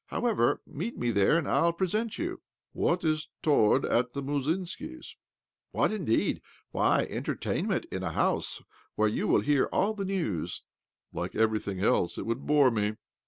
However, meet me there, and I'll present you." " What is toward at the Musmskis' ?"" What, indeed? Why, entertainment in a house where you hear all the news." " Like everything else, it would bore me."